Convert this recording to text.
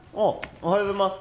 おはようございます